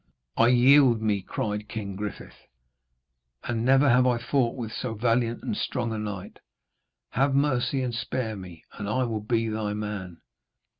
'I yield me!' cried King Griffith, 'and never have I fought with so valiant and strong a knight. Have mercy and spare me, and I will be thy man.'